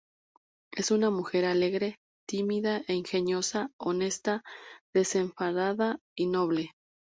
Es una mujer alegre, tímida e ingeniosa, honesta, desenfadada y noble.